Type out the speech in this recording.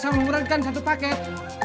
saya mengurangkan satu paket